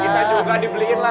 kita juga dibeliin lah